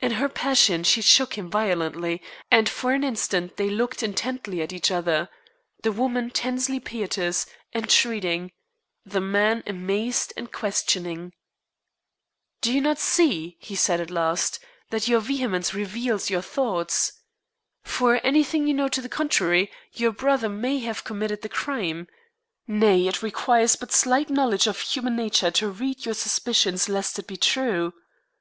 In her passion she shook him violently, and for an instant they looked intently at each other the woman tensely piteous, entreating; the man amazed and questioning. "Do you not see," he said at last, "that your vehemence reveals your thoughts? For anything you know to the contrary, your brother may have committed the crime. Nay, it requires but slight knowledge of human nature to read your suspicions lest it be true.